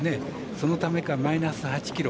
そのためかマイナス８ｋｇ。